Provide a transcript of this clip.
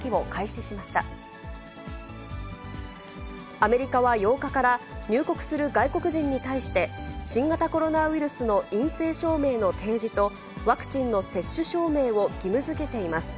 アメリカは８日から入国する外国人に対して、新型コロナウイルスの陰性証明の提示と、ワクチンの接種証明を義務づけています。